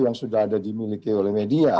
yang sudah ada dimiliki oleh media